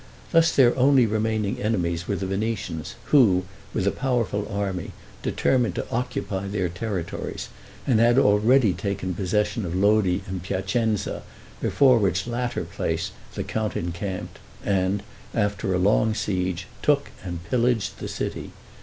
Thus their only remaining enemies were the Venetians, who, with a powerful army, determined to occupy their territories, and had already taken possession of Lodi and Piacenza, before which latter place the count encamped; and, after a long siege, took and pillaged the city.